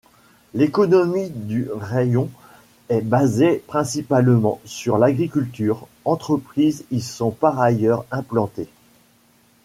L'économie du raïon est basée principalement sur l'agriculture, entreprises y sont par ailleurs implantées.